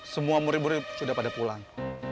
semua murid murid sudah pada pulang